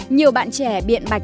nhiều bạn trẻ biện bạch